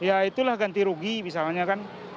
ya itulah ganti rugi misalnya kan